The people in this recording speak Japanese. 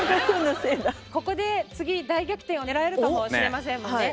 ここで次大逆転を狙えるかもしれませんもんね。